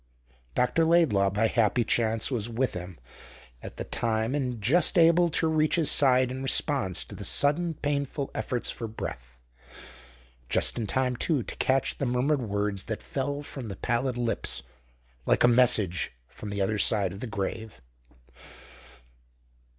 Dr. Laidlaw, by happy chance, was with him at the time, and just able to reach his side in response to the sudden painful efforts for breath; just in time, too, to catch the murmured words that fell from the pallid lips like a message from the other side of the grave.